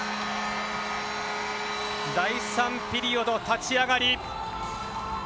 第３ピリオド、立ち上がり。